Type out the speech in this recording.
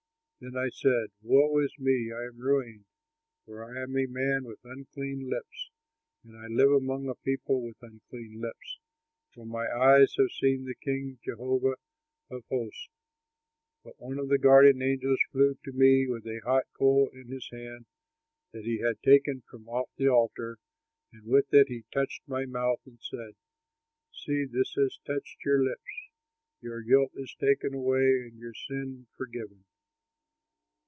Then I said: "Woe is me! I am ruined; for I am a man with unclean lips, and I live among a people with unclean lips; for my eyes have seen the King, Jehovah of hosts!" But one of the guardian angels flew to me with a hot coal in his hand that he had taken from off the altar, and with it he touched my mouth and said: "See, this has touched your lips; your guilt is taken away and your sin forgiven."